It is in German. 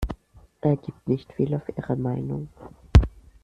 Er gibt nicht viel auf ihre Meinung.